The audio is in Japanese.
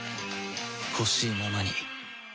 ほしいままに